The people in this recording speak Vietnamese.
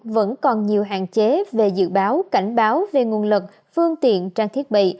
vẫn còn nhiều hạn chế về dự báo cảnh báo về nguồn lực phương tiện trang thiết bị